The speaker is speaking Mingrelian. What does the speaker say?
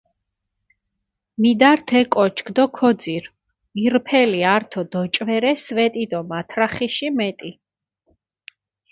მიდართ ე კოჩქჷ დო ქოძირჷ, ირფელი ართო დოჭვერე სვეტი დო მართახიში მეტი